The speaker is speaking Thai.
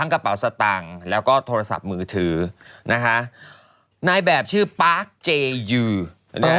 กระเป๋าสตางค์แล้วก็โทรศัพท์มือถือนะคะนายแบบชื่อปาร์คเจยือนะฮะ